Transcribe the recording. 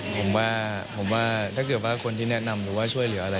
ผมว่าถ้าเกิดคนมีแนะนำช่วยหรืออะไร